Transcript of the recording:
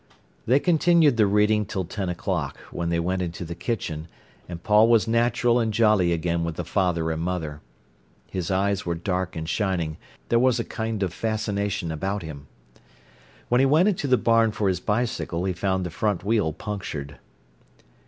They continued the reading till ten o'clock, when they went into the kitchen, and Paul was natural and jolly again with the father and mother. His eyes were dark and shining; there was a kind of fascination about him. When he went into the barn for his bicycle he found the front wheel punctured.